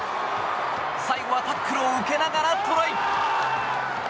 最後はタックルを受けながらトライ！